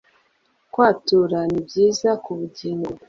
kwatura ni byiza kubugingo